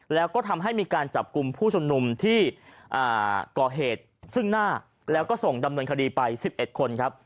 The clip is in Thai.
แล้วก็ทำให้มีการจับกลุ่มผู้ชมนุมที่ก่อเหตุซึ่งหน้าแล้วก็ส่งดำเนินคดีไป๑๑คนครับ